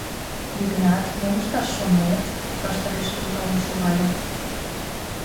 — Йыгнат, мом ышташ шонет? — ваштарешыже толын шогале.